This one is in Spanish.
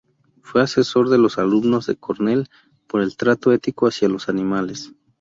Fue asesor de los Alumnos de Cornell por el Trato Ético hacia los Animales.